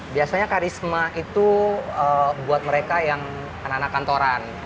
biasanya karisma itu buat mereka yang anak anak kantoran